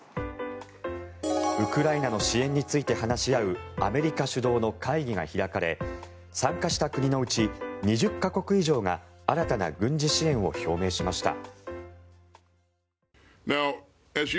ウクライナの支援について話し合うアメリカ主導の会議が開かれ参加した国のうち２０か国以上が新たな軍事支援を表明しました。